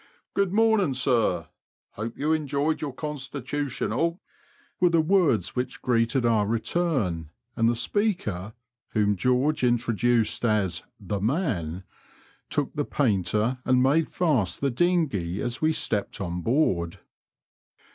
Good morning, sir. Hope you enjoyed your constitu tional," were the words which greeted our return, and the speaker, whom George introduced as the man," took the painter and made fast the dinghey as we stepped on board.